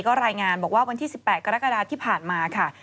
ก็รายงานบอกว่าวันที่๑๘กรกฎาที่ผ่านมาค่ะ